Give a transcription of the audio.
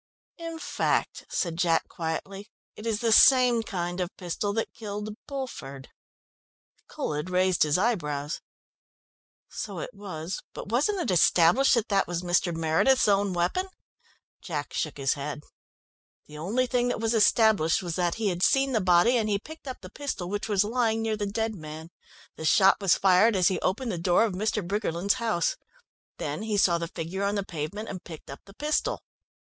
"In fact," said Jack quietly, "it is the same kind of pistol that killed Bulford." Colhead raised his eyebrows. "So it was, but wasn't it established that that was Mr. Meredith's own weapon?" Jack shook his head. "The only thing that was established was that he had seen the body and he picked up the pistol which was lying near the dead man. The shot was fired as he opened the door of Mr. Briggerland's house. Then he saw the figure on the pavement and picked up the pistol.